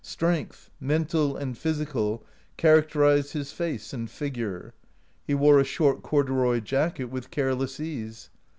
Strength, mental and physical, characterized his face and figure. He wore a short corduroy jacket with careless ease.